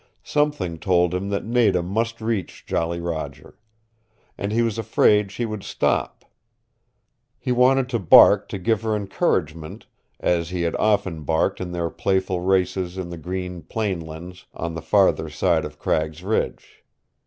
Something told him that Nada must reach Jolly Roger. And he was afraid she would stop. He wanted to bark to give her encouragement, as he had often barked in their playful races in the green plain lands on the farther side of Cragg's Ridge.